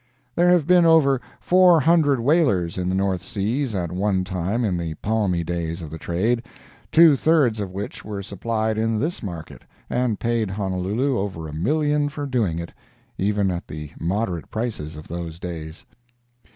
There have been over four hundred whalers in the North Seas at one time in the palmy days of the trade, two thirds of which were supplied in this market, and paid Honolulu over a million for doing it, even at the moderate prices of those days.